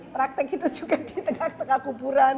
praktek itu juga di tengah tengah kuburan